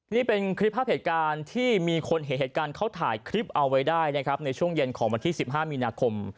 นี่เป็นคลิปภาพเหตุการณ์ที่มีคนเห็นเหตุการณ์เขาถ่ายคลิปเอาไว้ได้นะครับในช่วงเย็นของวันที่๑๕มีนาคม